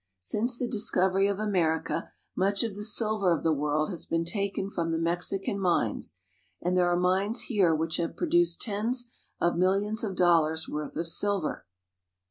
Since the discovery of America, much of the silver of the world has been taken from the Mexican mines, and there are mines here which have produced tens of millions of dollars' worth of silver.